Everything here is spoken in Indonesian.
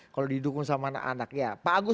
kalau didukung sama anak anak ya pak agus